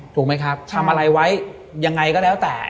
ถูกไหมครับทำอะไรไว้ยังไงก็แล้วแต่